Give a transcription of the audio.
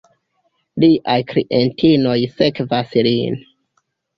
Liaj klientinoj sekvas lin.